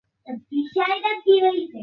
জানো আমি এই প্রথম টিভিতে লাইভে আছি।